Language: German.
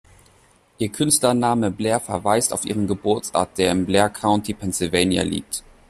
Ihr Künstlername Blair verweist auf ihren Geburtsort, der im Blair County, Pennsylvania, liegt.